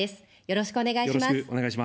よろしくお願いします。